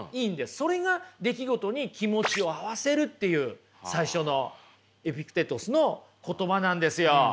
それが出来事に気持ちを合わせるっていう最初のエピクテトスの言葉なんですよ。